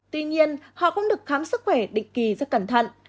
vẫn được khám sức khỏe định kỳ rất cẩn thận